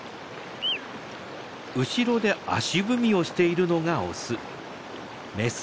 後ろで足踏みをしているのがオス。